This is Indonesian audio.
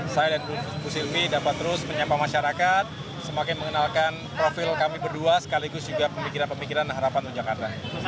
saya dan bu silvi dapat terus menyapa masyarakat semakin mengenalkan profil kami berdua sekaligus juga pemikiran pemikiran harapan untuk jakarta